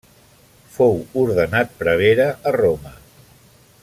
Fou ordenat prevere a Roma.